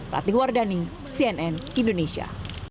ratih wardhani cnn indonesia